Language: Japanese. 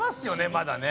まだね。